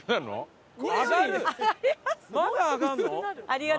まだ上がるの？